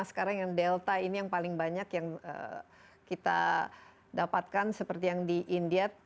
sekarang yang delta ini yang paling banyak yang kita dapatkan seperti yang di india